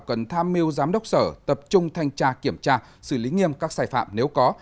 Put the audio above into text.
cần tham mưu giám đốc sở tập trung thanh tra kiểm tra xử lý nghiêm các sai phạm nếu có